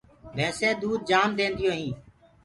ڀيسينٚ دود جآم دينديو هينٚ۔